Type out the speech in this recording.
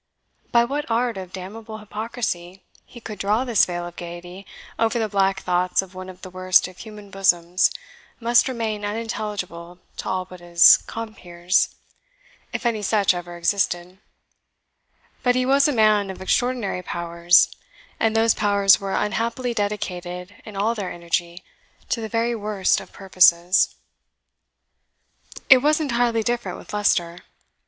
By what art of damnable hypocrisy he could draw this veil of gaiety over the black thoughts of one of the worst of human bosoms must remain unintelligible to all but his compeers, if any such ever existed; but he was a man of extraordinary powers, and those powers were unhappily dedicated in all their energy to the very worst of purposes. It was entirely different with Leicester.